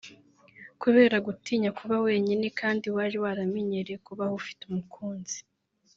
Kubera gutinya kuba wenyine kandi wari waramenyereye kubaho ufite umukunzi